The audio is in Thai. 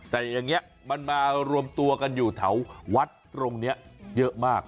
แต่อย่างนี้มันมารวมตัวกันอยู่แถววัดตรงนี้เยอะมาก